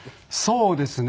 そうですね。